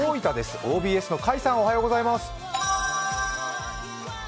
ＯＢＳの甲斐さんおはようございます。